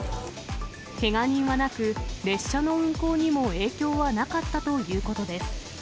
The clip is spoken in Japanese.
けが人はなく、列車の運行にも影響はなかったということです。